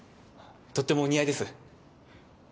とってもお似合いです。